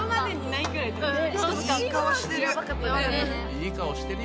いい顔してる。